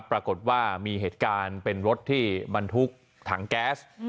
ปรากฏว่ามีเหตุการณ์เป็นรถที่บรรทุกถังแก๊ส